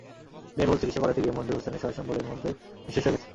ব্যয়বহুল চিকিৎসা করাতে গিয়ে মনজুর হোসেনের সহায়-সম্বল এরই মধ্যে নিঃশেষ হয়ে গেছে।